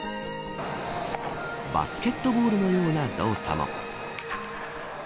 バスケットボールのような動作も。